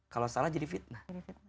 kalau salah jadi fitnah